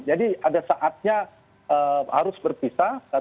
jadi ada saatnya harus berpisah